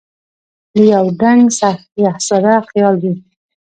د یو دنګ شهزاده خیال وي